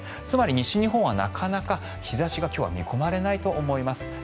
つまり西日本はなかなか日差しが今日は見込まれないと思います。